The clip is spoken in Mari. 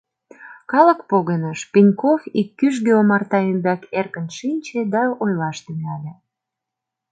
Калык погыныш, Пеньков ик кӱжгӧ омарта ӱмбак эркын шинче да ойлаш тӱҥале.